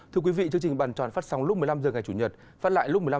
thưa quý vị chương trình bàn tròn phát sóng lúc một mươi năm h ngày chủ nhật